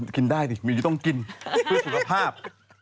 กินได้ดิมิวจะต้องกินเพื่อสุขภาพ